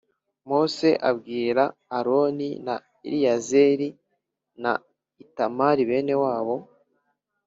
Mose abwira Aroni na Eleyazari na Itamari bene wabo